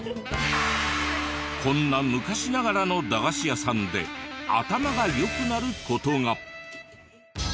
こんな昔ながらの駄菓子屋さんで頭が良くなる事が。